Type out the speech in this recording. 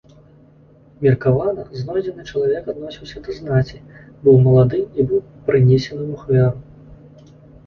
Меркавана, знойдзены чалавек адносіўся да знаці, быў малады і быў прынесены ў ахвяру.